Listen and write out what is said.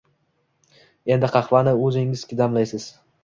Endi qahvani o'zingiz damlaysiz